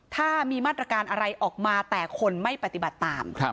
ถ้ามีมาตรการอะไรออกมาแต่คนไม่ปฏิบัติตาม